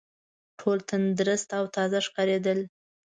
ټول تندرست او تازه ښکارېدل.